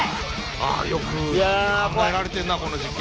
あよく考えられてるなこの実験。